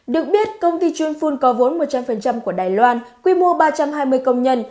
được biết công ty chuyên phun có vốn một trăm linh của đài loan quy mô ba trăm hai mươi công nhân